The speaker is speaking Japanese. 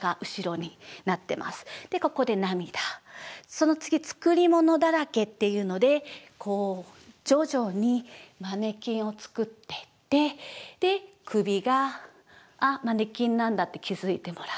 その次「作り物だらけ」っていうのでこう徐々にマネキンを作ってって首が「あっマネキンなんだ」って気付いてもらう。